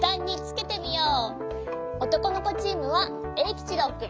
おとこのこチームはえいきちろうくん。